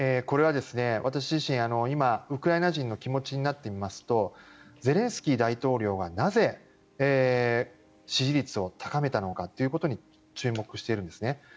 これは私自身今ウクライナ人の気持ちになってみますとゼレンスキー大統領はなぜ、支持率を高めたのかということに注目しているんです。